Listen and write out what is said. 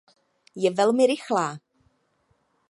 Je velmi rychlá.